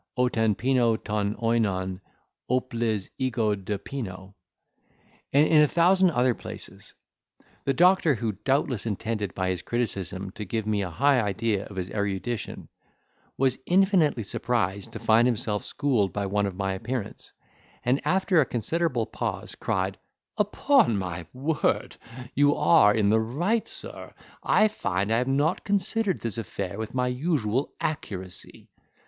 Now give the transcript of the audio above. Otan pino ton oinon. Opliz' ego de pino." And in a thousand other places. The doctor who doubtless intended by his criticism to give me a high idea of his erudition, was infinitely surprised to find himself schooled by one of my appearance; and after a considerable pause cried, "Upon my word, you are in the right, sir—I find I have not considered this affair with my usual accuracy."